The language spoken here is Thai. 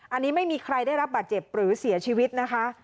อันนี้ไม่มีใครได้รับบาดเจ็บหรือเสียชีวิตนะคะ